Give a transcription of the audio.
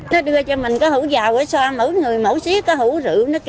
nó đưa cho mình có hữu giàu ở xoa mỗi người mỗi xíu có hữu rượu